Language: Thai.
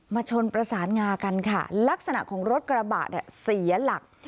ชนประสานงากันค่ะลักษณะของรถกระบะเนี่ยเสียหลัก